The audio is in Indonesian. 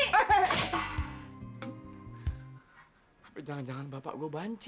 tapi jangan jangan bapak gue banci